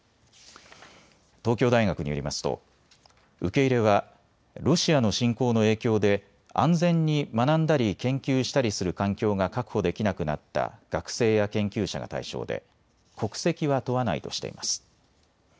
東京大学によりますと受け入れはロシアの侵攻の影響で安全に学んだり研究したりする環境が確保できなくなった学生や研究者が対象で国籍は問わないとしています。